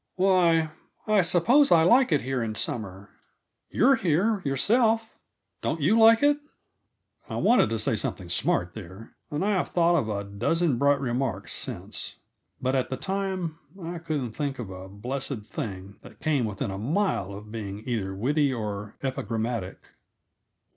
"Why, I suppose I like it here in summer. You're here, yourself; don't you like it?" I wanted to say something smart, there, and I have thought of a dozen bright remarks since; but at the time I couldn't think of a blessed thing that came within a mile of being either witty or epigrammatic.